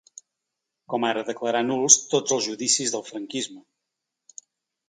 Com ara declarar nuls tots els judicis del franquisme.